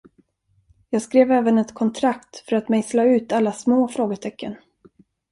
Jag skrev även ett kontrakt för att mejsla ut alla små frågetecken.